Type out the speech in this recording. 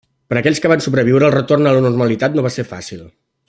Per aquells que van sobreviure, el retorn a la normalitat no va ser fàcil.